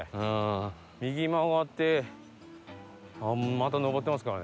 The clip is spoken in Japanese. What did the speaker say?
右曲がってまた上ってますからね。